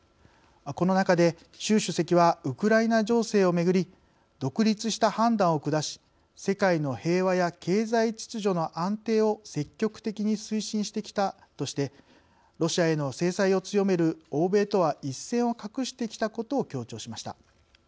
この中で習主席はウクライナ情勢を巡り独立した判断を下し世界の平和や経済秩序の安定を積極的に推進してきたとしてロシアへの制裁を強める欧米とは一線を画してきたことを強調しました。